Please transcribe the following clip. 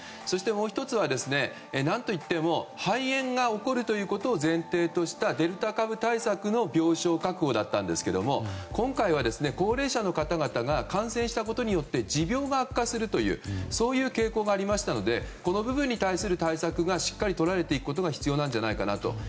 そして、もう１つは何といっても肺炎が起こるということを前提としたデルタ株対策の病床確保だったんですけど今回は高齢者の方々が感染したことによって持病が悪化するという傾向がありましたのでこの部分に対する対策がしっかりとられていくことが必要なんじゃないかなと。